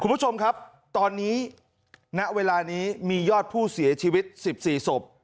คุณผู้ชมครับตอนนี้ณเวลานี้มียอดผู้เสียชีวิต๑๔ศพ